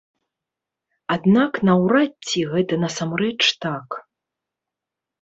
Аднак наўрад ці гэта насамрэч так.